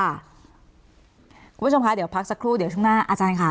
คุณผู้ชมคะเดี๋ยวพักสักครู่เดี๋ยวช่วงหน้าอาจารย์ค่ะ